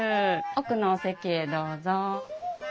奥のお席へどうぞ。